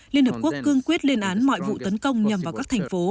liên hợp quốc cương quyết lên án mọi vụ tấn công nhằm vào các thành phố